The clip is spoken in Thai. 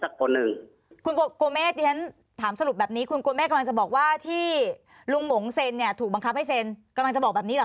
ก็ไม่มีใครตอบที่สักคนหนึ่ง